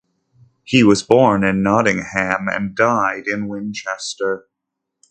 He was born in Nottingham, and died in Winchester.